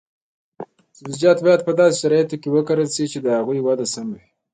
سبزیجات باید په داسې شرایطو کې وکرل شي چې د هغوی وده سمه وي.